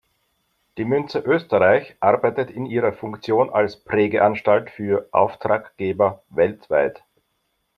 Die Münze Österreich arbeitet in ihrer Funktion als Prägeanstalt für Auftraggeber weltweit.